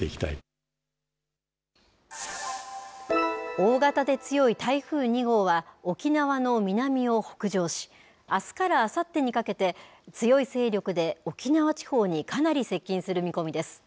大型で強い台風２号は、沖縄の南を北上し、あすからあさってにかけて、強い勢力で沖縄地方にかなり接近する見込みです。